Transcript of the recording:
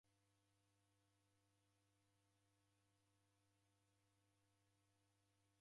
Owika fuw'a yape andonyi kwa machu ukilila.